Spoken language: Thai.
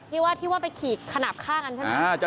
พี่ว่าไปขี่ขนาดข้างใช่ไหม